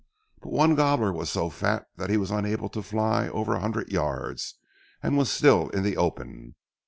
But one gobbler was so fat that he was unable to fly over a hundred yards and was still in the open.